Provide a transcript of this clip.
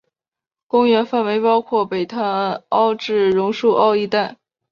公园范围包括北潭凹至榕树澳一带。